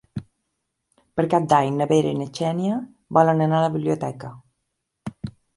Per Cap d'Any na Vera i na Xènia volen anar a la biblioteca.